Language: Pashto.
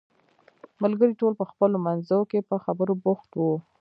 ملګري ټول په خپلو منځو کې په خبرو بوخت وو.